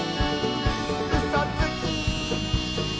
「うそつき！」